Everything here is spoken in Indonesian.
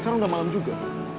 sekarang gak malam juga